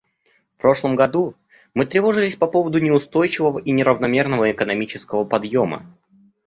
В прошлом году мы тревожились по поводу неустойчивого и неравномерного экономического подъема.